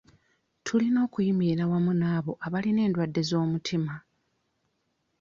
Tulina okuyimirira awamu n'abo abalina endwadde z'omutima